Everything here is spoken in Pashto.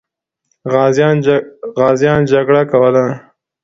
غازیان جګړه کوله.